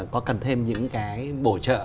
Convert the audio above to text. có cần thêm những cái bổ trợ